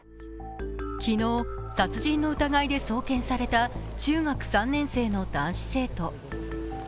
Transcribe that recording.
昨日、殺人の疑いで送検された中学３年生の男子生徒。